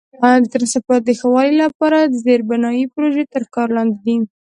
د ترانسپورت د ښه والي لپاره زیربنایي پروژې تر کار لاندې دي.